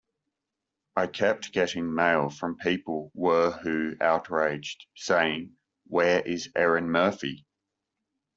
I kept getting mail from people were who outraged, saying, 'Where is Erin Murphy?